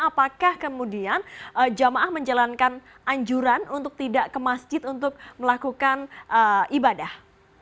apakah kemudian jamaah menjalankan anjuran untuk tidak ke masjid untuk melakukan ibadah